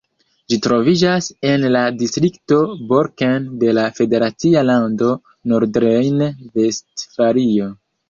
Ĝi troviĝas en la distrikto Borken de la federacia lando Nordrejn-Vestfalio.